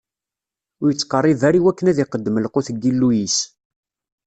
Ur ittqerrib ara iwakken ad iqeddem lqut n Yillu-is.